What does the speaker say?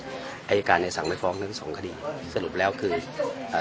มันจะได้เรียกการเนี่ยสั่งไว้ฟ้องถึงสองคดีสรุปแล้วคือีอ่า